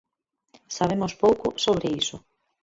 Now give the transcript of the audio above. Sabemos pouco sobre iso.